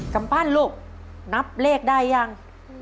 กำปั้นลูกนับเลขได้ยัง